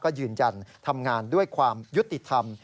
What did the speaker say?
ก็ยืนยันทำงานด้วยความยุติธรรม